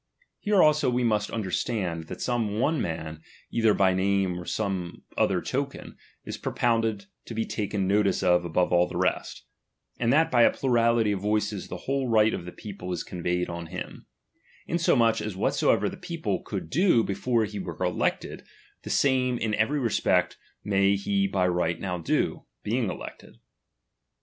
Here also we must understand, that some ojie man, either by name or some other token, is propounded to be taken notice of above all the rest ; and that by a plurality of voices the whole right of the peo ple is conveyed on him ; insomuch as whatsoever the people eonld do before he were elected, the same in every respect may he by right now do, being elected.